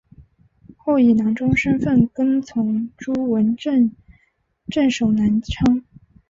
后以郎中身份跟从朱文正镇守南昌。